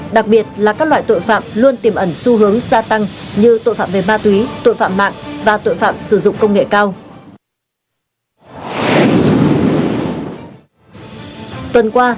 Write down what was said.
đặc biệt là các loại tội phạm luôn tiềm ẩn xu hướng gia tăng như tội phạm về ma túy tội phạm mạng và tội phạm sử dụng công nghệ cao